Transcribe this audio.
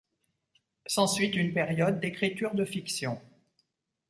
S’ensuit une période d’écriture de fictions.